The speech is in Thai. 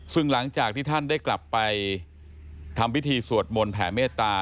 ซึ่งหลังจากที่ท่านได้กลับไปทำพิธีสวดมนต์แผ่เมตตา